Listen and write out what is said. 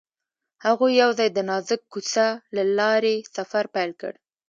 هغوی یوځای د نازک کوڅه له لارې سفر پیل کړ.